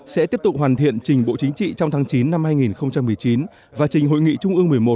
sẽ tiếp tục hoàn thiện trình bộ chính trị trong tháng chín năm hai nghìn một mươi chín và trình hội nghị trung ương một mươi một